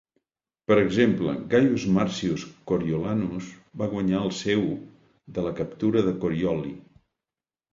Per exemple, Gaius Marcius Coriolanus va guanyar el seu de la captura de Corioli.